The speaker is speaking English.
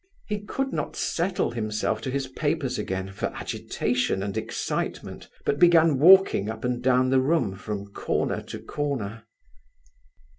He could not settle himself to his papers again, for agitation and excitement, but began walking up and down the room from corner to corner.